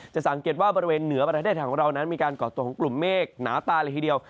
สังเกตว่าบริเวณเหนือประเทศไทยของเรานั้นมีการก่อตัวของกลุ่มเมฆหนาตาเลยทีเดียว